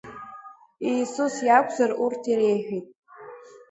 Иисус иакәзар, урҭ иреиҳәеит…